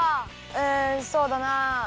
うんそうだな。